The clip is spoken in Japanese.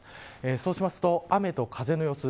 そうしますと雨と風の様子。